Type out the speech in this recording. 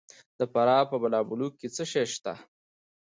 د فراه په بالابلوک کې څه شی شته؟